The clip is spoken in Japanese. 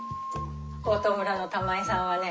大塔村の玉井さんはね